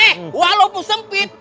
eh walaupun sempit